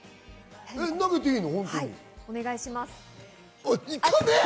投げていいの？